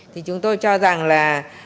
thì chúng tôi cho rằng là